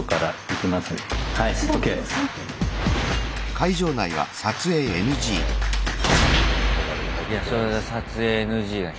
いやそれは撮影ＮＧだ。